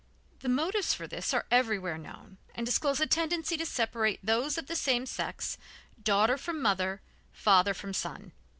The motives for this are everywhere known and disclose a tendency to separate those of the same sex, daughter from mother, father from son.